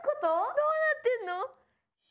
どうなってんの？